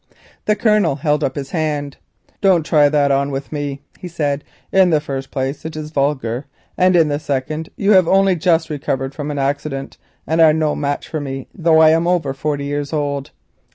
The Colonel held up his hand. "Don't try that on with me," he said. "In the first place it is vulgar, and in the second you have only just recovered from an accident and are no match for me, though I am over forty years old.